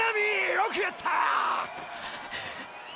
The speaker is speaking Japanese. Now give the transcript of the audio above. よくやった！